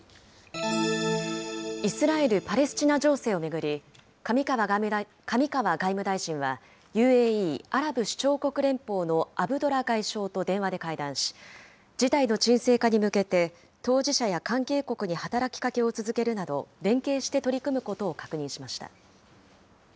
イスラエル・パレスチナ情勢を巡り、上川外務大臣は、ＵＡＥ・アラブ首長国連邦のアブドラ外相と電話で会談し、事態の沈静化に向けて、当事者や関係国に働きかけを続けるなど、連携して取り組むことを確認しました。